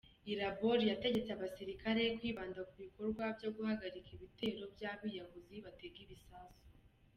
Irabor yategetse abasilikare kwibanda ku bikorwa byo guhagarika ibitero by’abiyahuzi batega ibisasu.